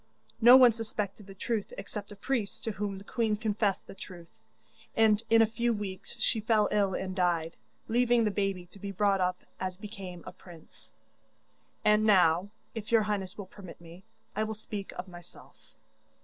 No one suspected the truth except a priest to whom the queen confessed the truth, and in a few weeks she fell ill and died, leaving the baby to be brought up as became a prince. And now, if your highness will permit me, I will speak of myself.